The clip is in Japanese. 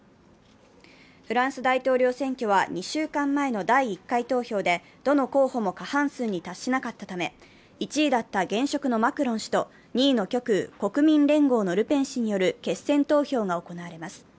フランス大統領選挙は２週間前の第１回投票でどの候補も過半数に達しなかったため、１位だった現職のマクロン氏と２位の極右・ルペン氏による決選投票が行われます。